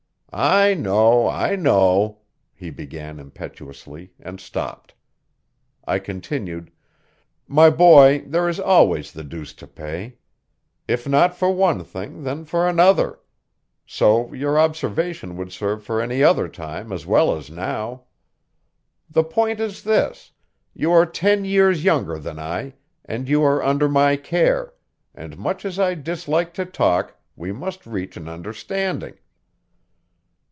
"I know, I know " he began impetuously and stopped. I continued: "My boy, there is always the deuce to pay. If not for one thing, then for another. So your observation would serve for any other time as well as now. The point is this: you are ten years younger than I, and you are under my care; and much as I dislike to talk, we must reach an understanding."